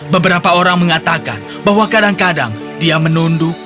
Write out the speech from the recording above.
beberapa orang mengatakan bahwa kadang kadang dia menunduk